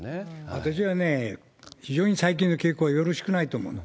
私はね、非常に最近の傾向はよろしくないと思うの。